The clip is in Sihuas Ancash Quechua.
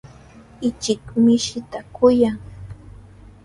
Ichik mishinta kuyan.